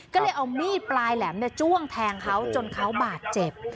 ก็เลยเอามีดปลายแหลมจ้วงแทงเขาจนเขาบาดเจ็บ